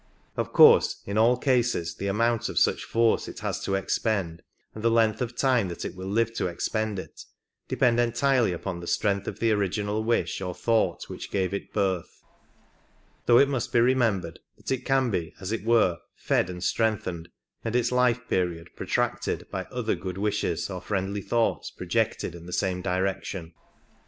Of course in all cases the amount of such force it has to expend, and the length of time that it will live to expend it, depend entirely upon the strength of the original wish or thought which gave it birth ; though it must be remembered that it can be, as it were, fed and strengthened, and its life period protracted by other good wishes or friendly thoughts projected in the same direction.